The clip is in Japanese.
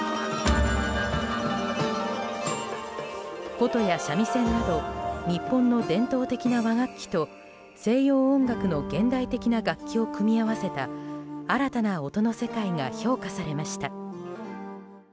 琴や三味線など日本の伝統的な和楽器と西洋音楽の現代的な楽器を組み合わせた新たな音の世界が評価されました。